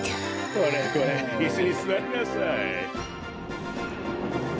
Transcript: これこれいすにすわりなさい。